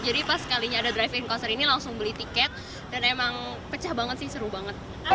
jadi pas kalinya ada drive in konser ini langsung beli tiket dan emang pecah banget sih seru banget